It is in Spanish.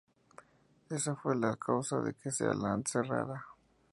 Esa fue la causa de que Sealand cerrara.